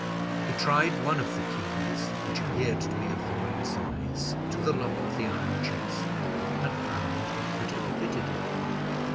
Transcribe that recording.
He tried one of the keys, which appeared to be of the right size, to the lock of the iron chest, and found that it fitted it.